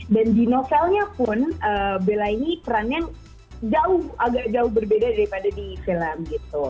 dan di novelnya pun bella ini perannya jauh agak jauh berbeda daripada di film gitu